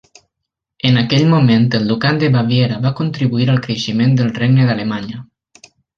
En aquell moment el ducat de Baviera va contribuir al creixement del Regne d'Alemanya.